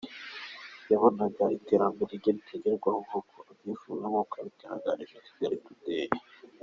Yabonaga iterambere rye ritagerwaho nkuko abyifuza; nkuko yabitangarije Kigali Today.